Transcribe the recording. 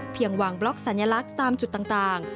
วางบล็อกสัญลักษณ์ตามจุดต่าง